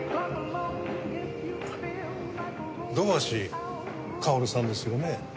土橋かおるさんですよね？